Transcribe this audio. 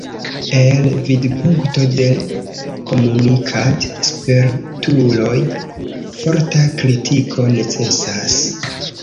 El vidpunkto de komunikad-spertuloj forta kritiko necesas.